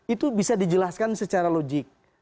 itu bisa dijelaskan secara logik